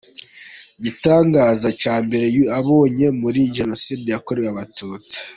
Igitangaza cya mbere yabonye muri Jenoside yakorewe abatutsi.